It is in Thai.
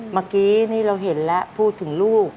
เมื่อกี้นี่เราเห็นแล้วพูดถึงลูก